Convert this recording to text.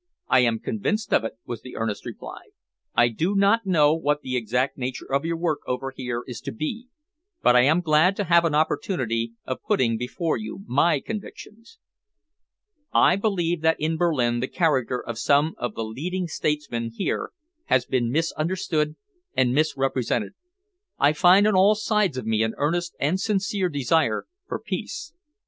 "I am convinced of it," was the earnest reply. "I do not know what the exact nature of your work over here is to be, but I am glad to have an opportunity of putting before you my convictions. I believe that in Berlin the character of some of the leading statesmen here has been misunderstood and misrepresented. I find on all sides of me an earnest and sincere desire for peace.